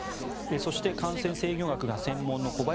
そして、感染制御学が専門の小林寅